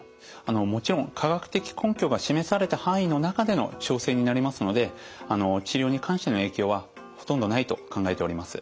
もちろん科学的根拠が示された範囲の中での調整になりますので治療に関しての影響はほとんどないと考えております。